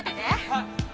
はい。